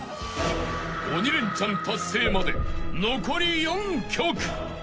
［鬼レンチャン達成まで残り４曲］